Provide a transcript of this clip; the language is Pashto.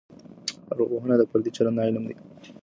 ارواپوهنه د فردي چلند علم دی.